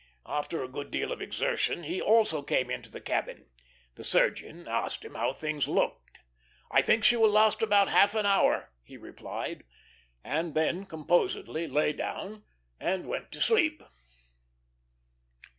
After a good deal of exertion, he also came into the cabin. The surgeon asked him how things looked. "I think she will last about half an hour," he replied, and then composedly lay down and went to sleep.